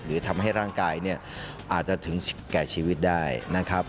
หรือทำให้ร่างกายเนี่ยอาจจะถึงแก่ชีวิตได้นะครับ